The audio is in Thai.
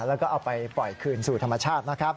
แล้วก็เอาไปปล่อยคืนสู่ธรรมชาตินะครับ